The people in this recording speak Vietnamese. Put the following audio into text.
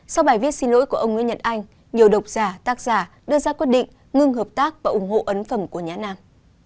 sau bài viết xin lỗi của ông nguyễn nhật anh nhiều độc giả tác giả đưa ra quyết định ngưng hợp tác và ủng hộ ấn phẩm của nhãn nam